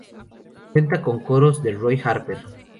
Cuenta con coros de Roy Harper.